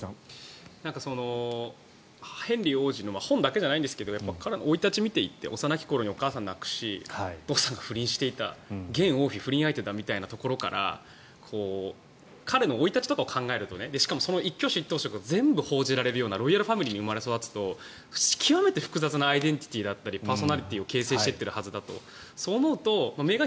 ヘンリー王子の本だけじゃないんですが彼の生い立ちを見ていって幼き頃にお母さんを亡くしお父さんが不倫をしていた現王妃、不倫相手だみたいなところから彼の生い立ちとか考えるとしかもその一挙手一投足を全部報じられるようなロイヤルファミリーに生まれ育つと極めて複雑なアイデンティティーだったりパーソナリティーを形成していっているはずだと。